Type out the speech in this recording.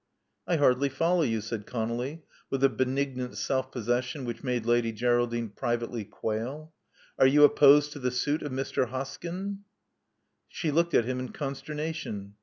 I hardly follow you," said ConoUy, with a benignant self possession which made Lady Geraldine privately quail. Are you opposed to the suit of Mr. Hoskyn?" She looked at him in consternation.